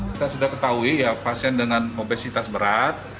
kita sudah ketahui ya pasien dengan obesitas berat